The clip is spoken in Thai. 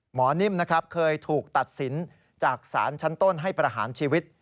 นิ่มนะครับเคยถูกตัดสินจากศาลชั้นต้นให้ประหารชีวิต